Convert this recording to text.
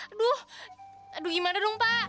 aduh aduh gimana dong pa